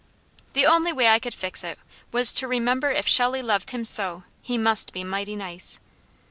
The only way I could fix it was to remember if Shelley loved him so, he must be mighty nice.